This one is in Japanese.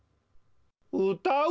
うたう